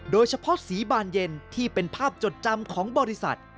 โดยเฉพาะสีบานเย็นที่เป็นภาพจดจำของบริษัท